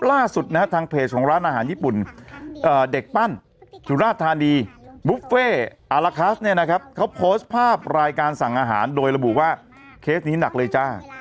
ล่าสุดทางเพจของร้านอาหารญี่ปุ่น